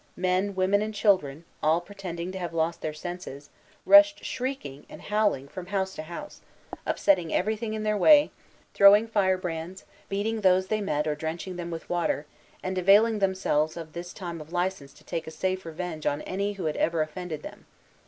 Men, women, and children, all pretending to have lost their senses, rushed shrieking and howling from house to house, upsetting everything in their way, throwing firebrands, beating those they met or drenching them with water, and availing themselves of this time of license to take a safe revenge on any who had ever offended them.